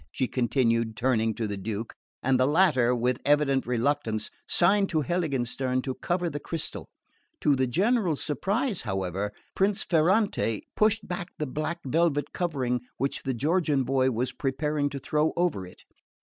she continued, turning to the Duke; and the latter, with evident reluctance, signed to Heiligenstern to cover the crystal. To the general surprise, however, Prince Ferrante pushed back the black velvet covering which the Georgian boy was preparing to throw over it.